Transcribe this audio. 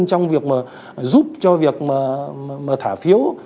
trong việc giúp cho việc thả phiếu